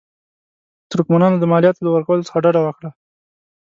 ترکمنانو د مالیاتو له ورکولو څخه ډډه وکړه.